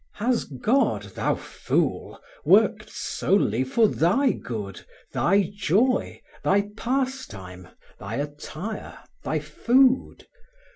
Has God, thou fool! worked solely for thy Thy good, Thy joy, thy pastime, thy attire, thy food?